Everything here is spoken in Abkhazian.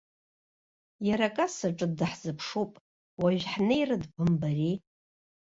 Иара акассаҿы даҳзыԥшуп, уажә ҳнеир дбымбари.